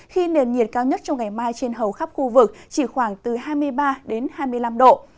khi nền nhiệt cao nhất trong ngày mai trên hầu khắp khu vực chỉ khoảng từ hai mươi ba đến hai mươi năm độ